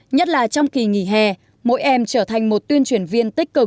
nhất là trong kỳ nghỉ hè mỗi em trở thành một tuyên truyền viên tích cực